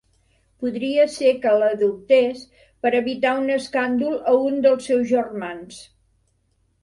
Podria ésser que l'adoptés per evitar un escàndol a un dels seus germans.